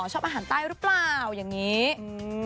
อ๋อชอบอาหารใต้หรือเปล่าอย่างนี้